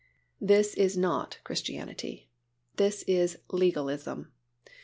This is not Christianity, this is legalism.